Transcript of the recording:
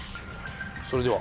それでは。